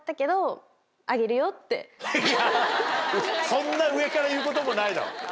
そんな上から言うこともないだろ。